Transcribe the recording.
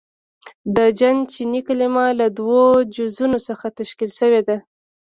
• د جن چیني کلمه له دوو جزونو څخه تشکیل شوې ده.